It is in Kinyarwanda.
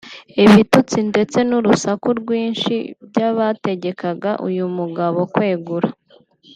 ibitutsi ndetse n’ urusaku rwinshi by’ abategekaga uyu mugabo kwegura